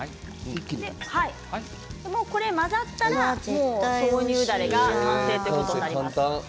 混ざったら豆乳だれが完成ということになります。